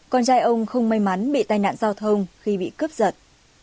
con trai ông không may mắn bị tai nạn giao thông khi bị cướp giật